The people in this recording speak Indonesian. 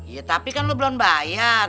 iya tapi kan lo belom bayar